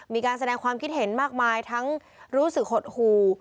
มีการแสดงความคิดเห็นมากมายทั้งรู้สึกหดหู